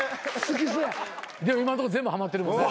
でも今のとこ全部ハマってるもんね。